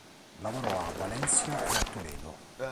Lavorò a Valencia e a Toledo.